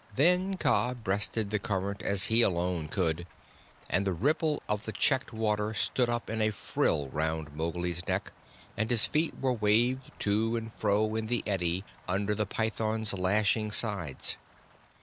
Then Kaa breasted the current as he alone could, and the ripple of the checked water stood up in a frill round Mowgli's neck, and his feet were waved to and fro in the eddy under the python's lashing sides.